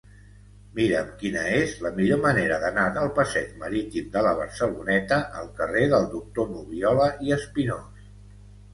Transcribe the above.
Mira'm quina és la millor manera d'anar del passeig Marítim de la Barceloneta al carrer del Doctor Nubiola i Espinós.